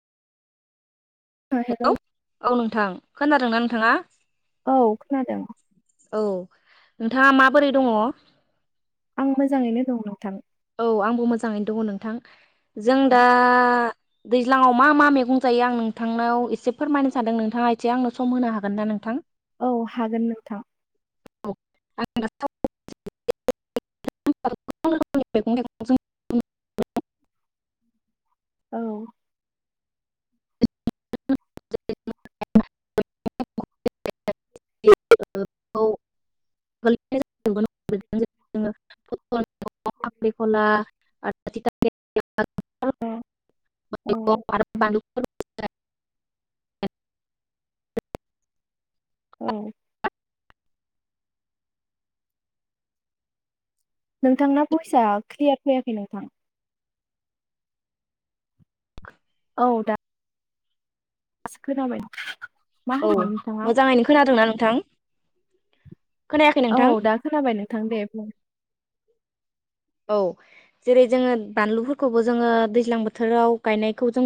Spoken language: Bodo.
हेलौ औ नोंथां खोनादों ना नों थाङा? औ खोनादों। औ नोंथाङा माबोरै दङ? आं मोजाङैनो दं नोंथां। औ आंबो मोजाङैनो दङ नोंथां। जों दा दैज्लाङाव मा मा मैगं जायो आं नोंथांनाव एसे फोरमायनो सानदों नोंथाङा एसे आंनो सम होनो हागोन ना नोंथां? औ हागोन नोंथां ओएओउएओ औ खांख्रिकला औ ओएओ औ नोंथांना भयसा क्लियार फैयाखै नोंथां ओह औ दा मा औ होनदोंमोन नोंथाङा मोजाङैनो खोनादोंना नोंथां खोनायाखै औ नोंथां दा खोनाबाय नोंथां दे बुं औ जेरै जोङो बानलुफोरखौबो जोङो दैज्लां बोथोराव गायनायखौ जों